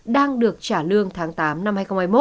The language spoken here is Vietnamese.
đang được trả lương tháng tám năm hai nghìn hai mươi một